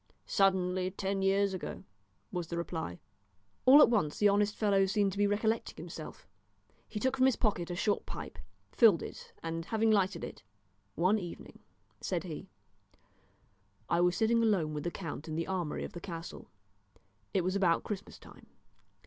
"Suddenly, ten years ago," was the reply. All at once the honest fellow seemed to be recollecting himself. He took from his pocket a short pipe, filled it, and having lighted it "One evening," said he, "I was sitting alone with the count in the armoury of the castle. It was about Christmas time.